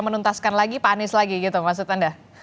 menuntaskan lagi pak anies lagi gitu maksud anda